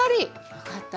よかった。